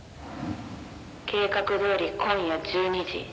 「計画どおり今夜１２時。